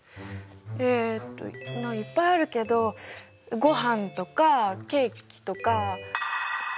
えっといっぱいあるけどごはんとかケーキとか。